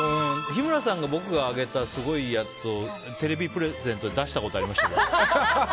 日村さんが僕があげた、すごいやつをテレビプレゼントで出したことがありましたよ。